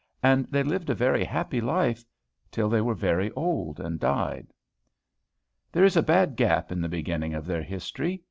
And they lived a very happy life, till they were very old and died. There is a bad gap in the beginning of their history.